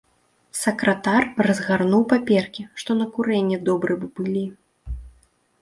Сакратар разгарнуў паперкі, што на курэнне добры б былі.